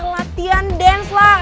latihan dance lah